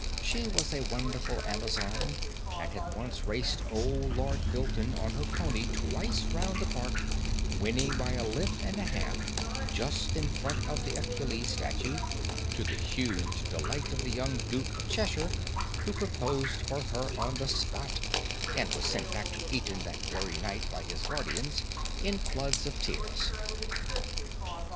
She was a wonderful Amazon, and had once raced old Lord Bilton on her pony twice round the park, winning by a length and a half, just in front of the Achilles statue, to the huge delight of the young Duke of Cheshire, who proposed for her on the spot, and was sent back to Eton that very night by his guardians, in floods of tears.